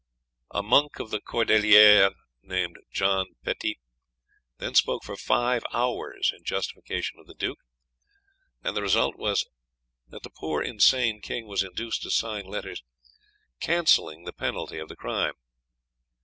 A monk of the Cordeliers, named John Petit, then spoke for five hours in justification of the duke, and the result was that the poor insane king was induced to sign letters cancelling the penalty of the crime.